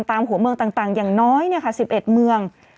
ตามหัวเมืองต่างอย่างน้อยสิบเอ็ดเมือง